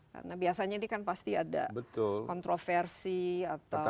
karena biasanya ini kan pasti ada kontroversi atau curiga